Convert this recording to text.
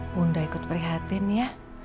bunda ikut perhatian ya